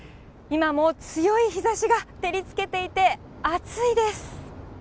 今も強い日ざしが照りつけていて、暑いです。